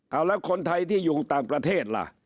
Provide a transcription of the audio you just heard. เอาแล้วคนไทยที่อยู่ต่างประเทศล่ะ